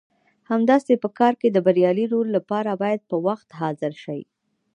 همداسې په کار کې د بریالي رول لپاره باید په وخت حاضر شئ.